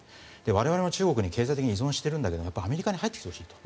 我々は中国に経済的に依存しているんだけどアメリカに入ってきてほしいと。